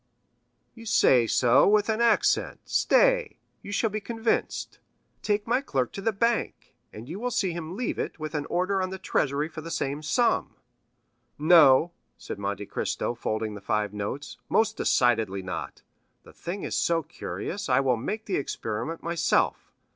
"You say so with an accent—stay, you shall be convinced; take my clerk to the bank, and you will see him leave it with an order on the Treasury for the same sum." "No," said Monte Cristo folding the five notes, "most decidedly not; the thing is so curious, I will make the experiment myself.